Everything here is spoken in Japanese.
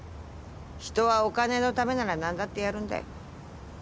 人はお金のためならなんだってやるんだよ。